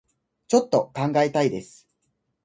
ちょっと考えたいです